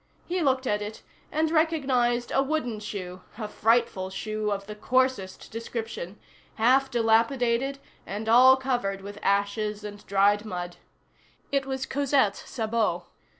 He looked at it, and recognized a wooden shoe, a frightful shoe of the coarsest description, half dilapidated and all covered with ashes and dried mud. It was Cosette's sabot.